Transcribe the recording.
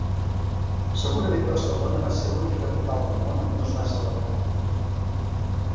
Segurament Barcelona va ser l’única capital del món on no es va celebrar.